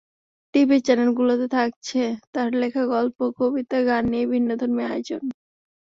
TV চ্যানেলগুলোতে থাকছে তাঁর লেখা গল্প, কবিতা, গান নিয়ে ভিন্নধর্মী আয়োজন।